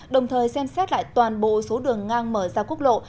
đồng thời xem xét lại toàn bộ số đường ngang mở ra quốc lộ